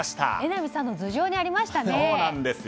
榎並さんの頭上にありましたね。